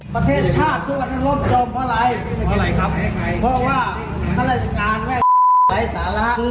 ประเทศชาติทุกคนจะล้มจมเพราะอะไรเพราะว่าขนาดงานไว้ไหลสาระ